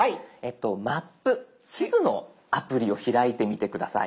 「マップ」地図のアプリを開いてみて下さい。